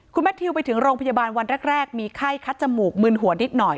คุณแมททิวไปถึงโรงพยาบาลวันแรกมีไข้คัดจมูกมึนหัวนิดหน่อย